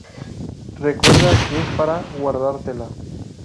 recuerda que es para guardártela